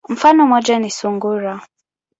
Mfano moja ni sungura.